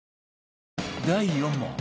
第４問